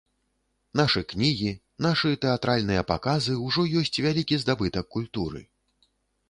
Нашы кнігі, нашы тэатральныя паказы ўжо ёсць вялікі здабытак культуры.